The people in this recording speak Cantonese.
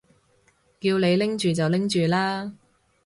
叫你拎住就拎住啦